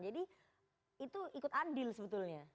jadi itu ikut andil sebetulnya